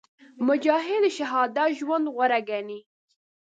مجاهد د شهامت ژوند غوره ګڼي.